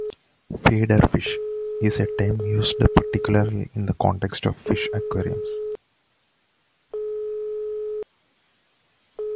"Feeder fish" is a term used particularly in the context of fish aquariums.